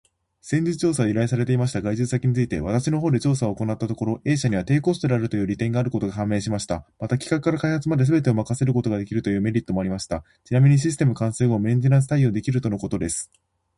先日調査を依頼されていました外注先について、私の方で調査を行ったところ、A 社には低コストであるという利点があることが判明しました。また、企画から開発まですべてを任せることができるというメリットもありました。ちなみにシステム完成後もメンテナンス対応できるとのことです。